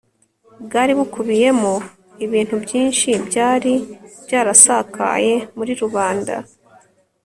bwari bukubiyemo ibintu byinshi byari byarasakaye muri rubanda